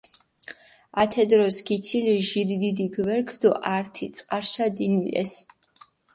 ათე დროს გითილჷ ჟირი დიდი გვერქჷ დო ართი წყარიშა დინილესჷ.